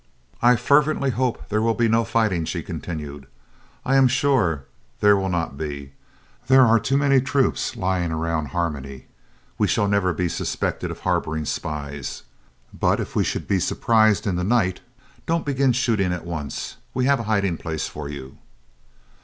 "I fervently hope there will be no fighting," she continued. "I am sure there will not be. There are too many troops lying around Harmony, we shall never be suspected of harbouring spies; but if we should be surprised in the night, don't begin shooting at once. We have a hiding place for you."